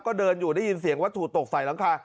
ก็เดินอยู่ได้ยินเสียงวัตถุตกใส่หลังคา